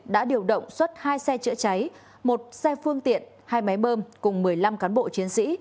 đã điều động xuất hai xe chữa cháy một xe phương tiện hai máy bơm cùng một mươi năm cán bộ chiến sĩ